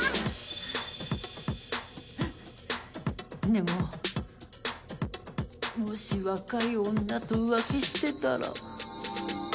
でももし若い女と浮気してたら。